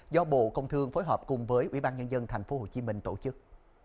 do bộ công thương phối hợp cùng với ủy ban nhân dân tp hcm tổ chức